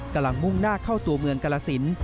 มุ่งหน้าเข้าตัวเมืองกรสิน